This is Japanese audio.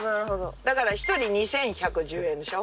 だから１人２，１１０円でしょ。